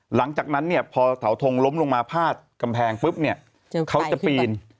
หลังจากนั้นเนี่ยพอเถาทงล้มลงมาพาดกำแพงปุ๊บเนี่ยเขาจะปีน